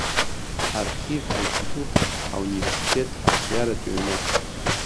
Ҳархив, ҳаинститут, ҳауниверситет, ҳарҿиаратә ҩны…